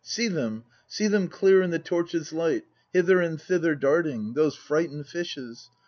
See them, see them clear in the torches' light Hither and thither darting, Those frightened fishes.